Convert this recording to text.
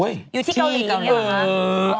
อยู่ที่เกาหลีกันอย่างนี้หรือคะ